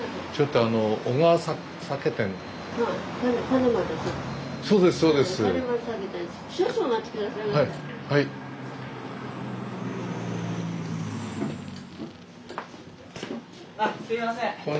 あすいません。